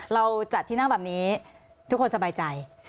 เราจัดที่นั่งแบบนี้ทุกคนสบายใจ